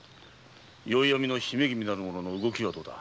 “宵闇の姫君”の動きはどうだ？